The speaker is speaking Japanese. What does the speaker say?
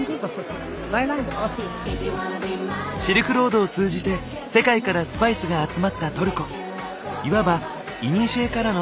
シルクロードを通じて世界からスパイスが集まったトルコ。